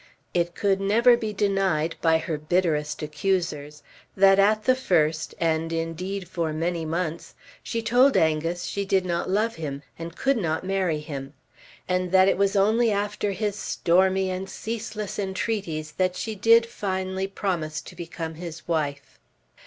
It could never be denied, by her bitterest accusers, that, at the first, and indeed for many months, she told Angus she did not love him, and could not marry him; and that it was only after his stormy and ceaseless entreaties, that she did finally promise to become his wife.